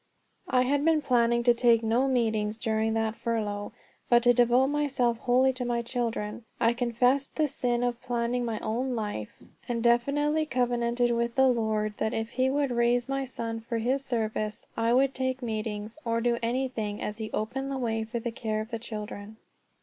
I had been planning to take no meetings during that furlough, but to devote myself wholly to my children. I confessed the sin of planning my own life, and definitely covenanted with the Lord that if he would raise my son for his service I would take meetings, or do anything, as he opened the way for the care of the children.